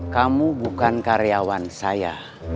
kamu bukan karyawan saya